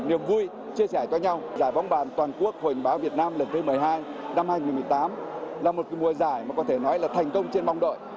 niềm vui chia sẻ cho nhau giải bóng bàn toàn quốc hội báo việt nam lần thứ một mươi hai năm hai nghìn một mươi tám là một mùa giải mà có thể nói là thành công trên mong đợi